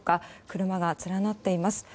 車が連なっています。